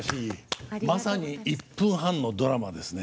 まさに１分半のドラマですね。